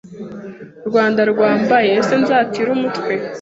Rwanda rwambyaye Ese nzatire umutwe